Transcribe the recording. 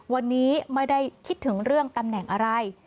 วันนี้ไม่ได้คิดถึงเรื่องตำแหน่งอะไร